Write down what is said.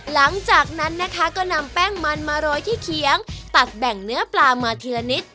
หลังจากนั้นนะคะก็นำแป้งมันมาโรยที่เคียงตัดแบ่งเนื้อปลามาทีละนิด